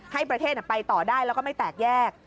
ให้ประเทศไปต่อได้แล้วก็ไม่แตกแยก